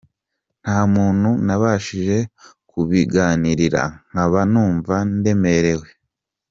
ntamuntu nabashije kubiganirira nkaba numva ndemerewe.